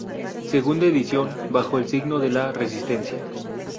Segunda edición, bajo el signo de la resistencia.